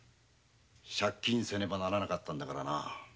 借金せねばならなかったのだからな。